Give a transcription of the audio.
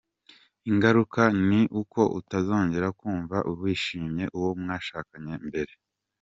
Ingaruka ni uko utazongera kumva wishimiye uwo mwashakanye nka mbere.